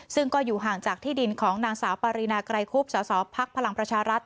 ซึ่งก็อยู่ห่างจากที่ดินของนางสาวปารีนาไกรคุบสสพลังประชารัฐ